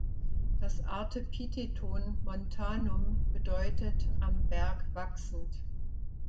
Das Artepitheton "montanum" bedeutet am Berg wachsend.